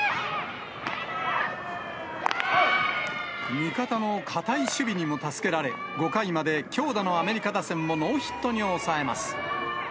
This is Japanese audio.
味方の堅い守備にも助けられ５回まで強打のアメリカ打線をノーヒットに抑えます。